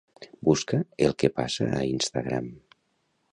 Busca el que passa a Instagram.